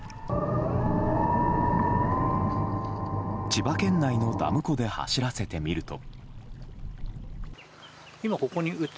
千葉県内のダム湖で走らせてみると。